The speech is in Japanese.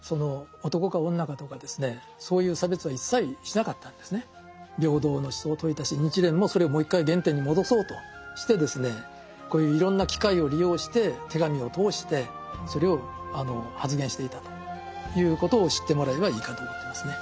だからこのようにですね仏教というのは平等の思想を説いたし日蓮もそれをもう一回原点に戻そうとしてこういういろんな機会を利用して手紙を通してそれを発言していたということを知ってもらえばいいかと思ってますね。